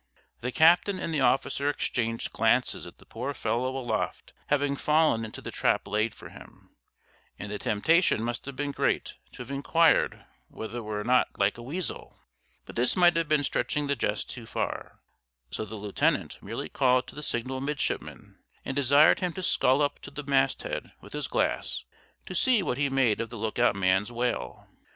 The captain and the officer exchanged glances at the poor fellow aloft having fallen into the trap laid for him, and the temptation must have been great to have inquired whether it were not "like a weasel"; but this might have been stretching the jest too far; so the lieutenant merely called to the signal midshipman, and desired him to skull up to the mast head with his glass, to see what he made of the look out man's whale.